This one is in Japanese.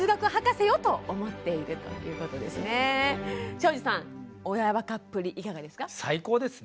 庄司さん親バカっぷりいかがですか？